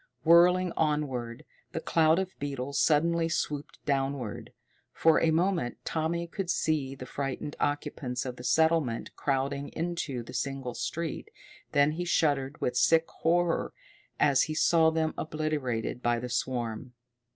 Whirling onward, the cloud of beetles suddenly swooped downward. For a moment Tommy could see the frightened occupants of the settlement crowding into the single street, then he shuddered with sick horror as he saw them obliterated by the swarm.